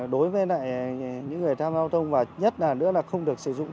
đối với những người tham gia giao thông và nhất là nữa là không được sử dụng